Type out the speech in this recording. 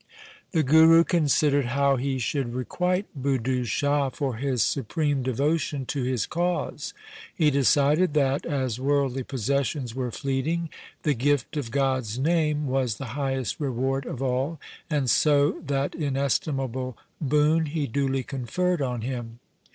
The Guru considered how he should requite Budhu Shah for his supreme devotion to his cause. He decided that, as worldly possessions were fleeting, the gift of God's name was the highest reward of all, and so that inestimable boon he duly conferred on him.